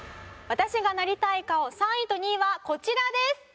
私がなりたい顔３位と２位はこちらです。